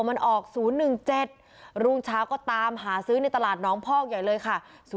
มันออก๐๑๗รุ่งเช้าก็ตามหาซื้อในตลาดน้องพอกใหญ่เลยค่ะ